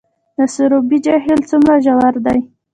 د سروبي جهیل څومره ژور دی؟